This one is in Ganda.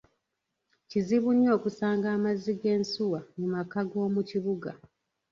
Kizibu nnyo okusanga amazzi g’ensuwa mu maka g’omu kibuga.